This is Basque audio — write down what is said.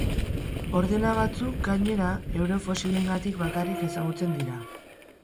Ordena batzuk, gainera, euren fosilengatik bakarrik ezagutzen dira.